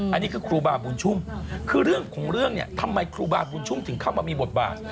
อันนี้คือครูบาบุญชุ่มคือเรื่องของเรื่องเนี่ยทำไมครูบาบุญชุ่มถึงเข้ามามีบทบาท